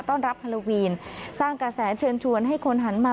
ต้อนรับฮาโลวีนสร้างกระแสเชิญชวนให้คนหันมา